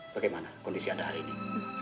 bagaimana kondisi anda hari ini